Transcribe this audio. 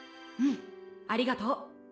うんありがとう。